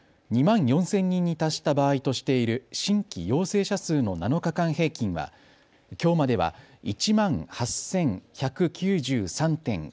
２万４０００人に達した場合としている新規陽性者数の７日間平均はきょうまでは１万８１９３．９人です。